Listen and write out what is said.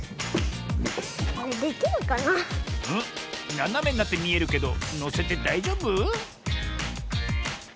ななめになってみえるけどのせてだいじょうぶ？